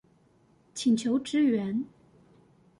請求支援